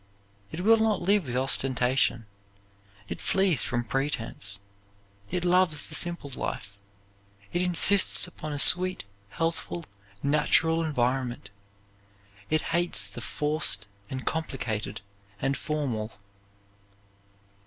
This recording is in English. It will not live with ostentation; it flees from pretense; it loves the simple life; it insists upon a sweet, healthful, natural environment. It hates the forced and complicated and formal.